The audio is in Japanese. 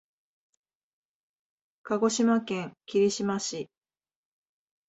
鹿児島県霧島市